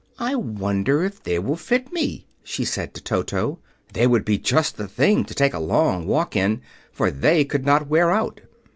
"I wonder if they will fit me," she said to Toto. "They would be just the thing to take a long walk in, for they could not wear out."